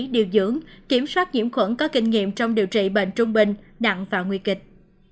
điều dưỡng kiểm soát nhiễm khuẩn có kinh nghiệm trong điều trị bệnh trung bình nặng và nguy kịch